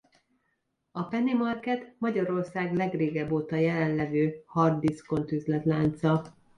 A Penny Market Magyarország legrégebb óta jelen levő hard-diszkont üzletlánca.